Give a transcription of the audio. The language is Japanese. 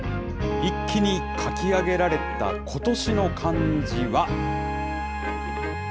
一気に書き上げられた今年の漢字は。